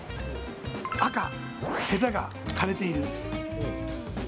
赤・ヘタが枯れている。